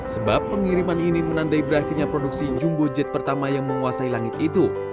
sebab pengiriman ini menandai berakhirnya produksi jumbo jet pertama yang menguasai langit itu